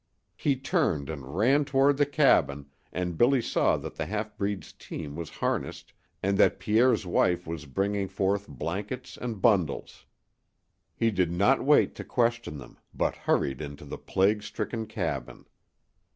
He turned and ran toward the cabin, and Billy saw that the half breed's team was harnessed, and that Pierre's wife was bringing forth blankets and bundles. He did not wait to question them, but hurried into the plague stricken cabin.